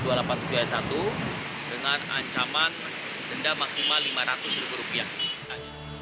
dengan ancaman denda maksimal lima ratus ribu rupiah